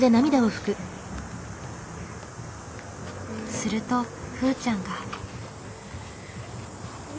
するとふーちゃんが。